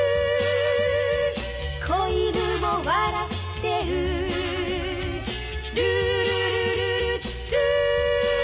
「小犬も笑ってる」「ルールルルルルー」